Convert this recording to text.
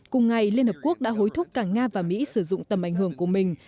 cùng ngày liên hợp quốc đã hối thúc cả nga và mỹ sử dụng tầm ảnh hưởng của mình